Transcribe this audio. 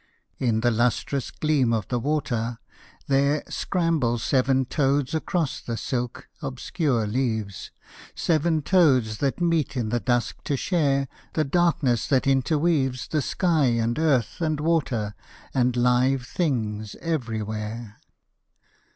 In the lustrous gleam of the water, there Scramble seven toads across the silk, obscure leaves, Seven toads that meet in the dusk to share The darkness that interweaves The sky and earth and water and live things everywhere.